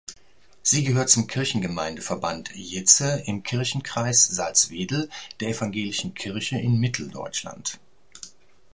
Sie gehört zum Kirchengemeindeverband Jeetze im Kirchenkreis Salzwedel der Evangelischen Kirche in Mitteldeutschland.